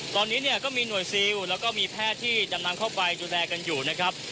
ตอนนี้เนี่ยก็มีหน่วยซิลแล้วก็มีแพทย์ที่ดำน้ำเข้าไปดูแลกันอยู่นะครับ